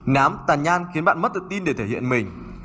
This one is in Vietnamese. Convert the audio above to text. nám tàn nhan khiến bạn mất tự tin để thể hiện mình